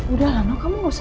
udah lah no kamu enggak usah